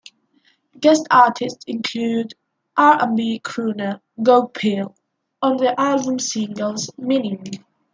Guest artist included R and B crooner, Goapele on the album's single, "Meaning".